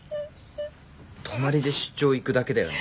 泊まりで出張行くだけだよね。